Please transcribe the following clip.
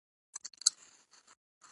یو شمېر ناروغان له روغتون بهر درملنه کیږي.